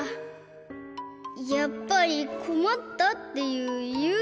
やっぱり「こまった」っていうゆうきがでないよ。